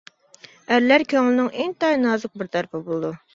ئەرلەر كۆڭلىنىڭ ئىنتايىن نازۇك بىر تەرىپى بولىدۇ.